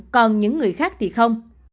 còn những người khác thì không